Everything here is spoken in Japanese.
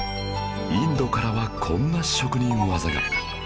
インドからはこんな職人技が